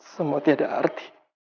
semua tiada arti